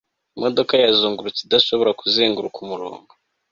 imodoka ye yazungurutse idashobora kuzenguruka umurongo